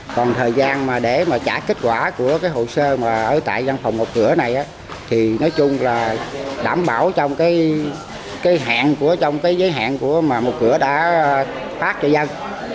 còn thời gian mà để mà trả kết quả của cái hồ sơ mà ở tại văn phòng một cửa này thì nói chung là đảm bảo trong cái hạn trong cái giới hạn của mà một cửa đã phát cho dân